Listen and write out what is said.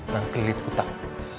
yang kelilit hutang